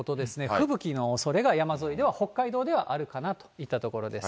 吹雪のおそれが山沿いでは北海道ではあるかなといったところです。